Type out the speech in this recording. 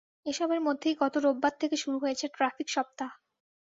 এসবের মধ্যেই গত রোববার থেকে শুরু হয়েছে ট্রাফিক সপ্তাহ।